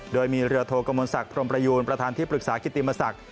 โดยมีเรือโทกมลศักดิพรมประยูนประธานที่ปรึกษากิติมศักดิ์